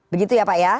begitu ya pak ya